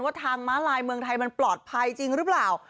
ทางม้าลายเมืองไทยมันปลอดภัยจริงหรือเปล่า